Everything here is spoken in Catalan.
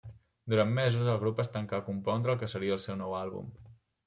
Durant mesos el grup es tancà a compondre el que seria el seu nou àlbum.